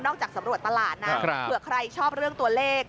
จากสำรวจตลาดนะเผื่อใครชอบเรื่องตัวเลข